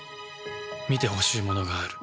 見てほしい物がある。